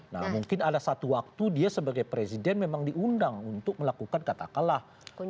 nah mungkin ada satu waktu dia sebagai presiden memang diundang untuk melakukan katakanlah